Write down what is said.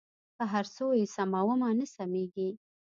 که هر څو یې سمومه نه سمېږي.